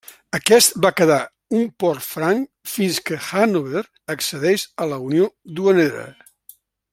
Aquest va quedar un port franc fins que Hannover accedeix a la unió duanera.